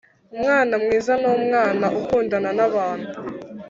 Umwana mwiza n umwana ukundana na abantu